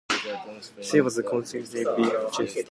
She was consequently beached.